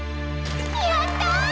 やった！